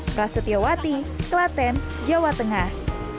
prasetyawati klaten jawa tengah